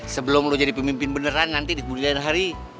sebelum lu jadi pemimpin beneran nanti di kemudian hari